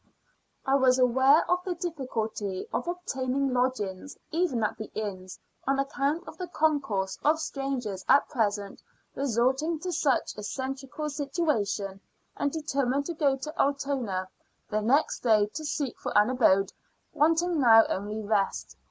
I was aware of the difficulty of obtaining lodgings, even at the inns, on account of the concourse of strangers at present resorting to such a centrical situation, and determined to go to Altona the next day to seek for an abode, wanting now only rest.